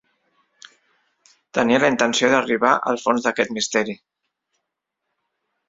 Tenia la intenció d'arribar al fons d'aquest misteri.